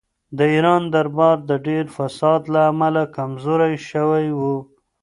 د ایران دربار د ډېر فساد له امله کمزوری شوی و.